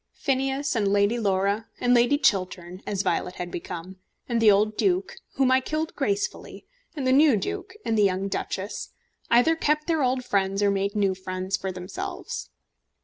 Phineas, and Lady Laura, and Lady Chiltern as Violet had become and the old duke, whom I killed gracefully, and the new duke, and the young duchess, either kept their old friends or made new friends for themselves.